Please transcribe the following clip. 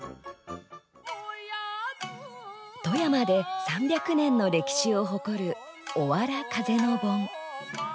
富山で３００年の歴史を誇るおわら風の盆。